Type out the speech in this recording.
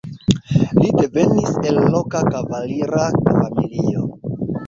Li devenis el loka kavalira familio.